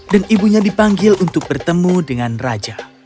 dan ibunya dipanggil untuk bertemu dengan raja